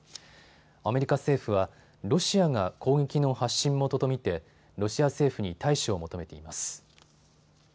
アメリカ政府はロシアが攻撃の発信元と見てロシア政府に対処を求めています。